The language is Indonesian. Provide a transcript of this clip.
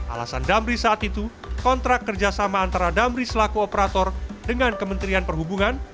alasan damri saat itu kontrak kerjasama antara damri selaku operator dengan kementerian perhubungan